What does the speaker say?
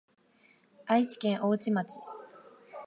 愛知県大治町